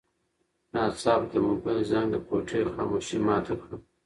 ناڅاپه د موبایل زنګ د کوټې خاموشي ماته کړه.